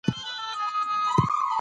موږ باید د خپلو خوړو کیفیت ته پام وکړو.